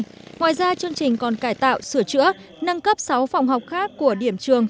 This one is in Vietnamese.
ngoài ra chương trình còn cải tạo sửa chữa nâng cấp sáu phòng học khác của điểm trường